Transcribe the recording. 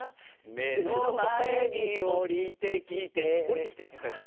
目の前におりてきて「おりてきて」って言ったでしょ